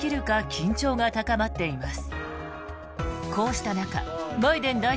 緊張が高まっています。